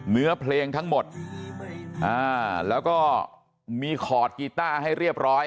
เนื้อเพลงทั้งหมดแล้วก็มีขอดกีต้าให้เรียบร้อย